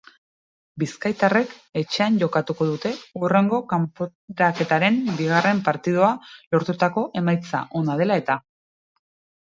Bizkaitarrek etxean jokatuko dute hurrengo kanporaketaren bigarren partida lortutako emaitza ona dela eta.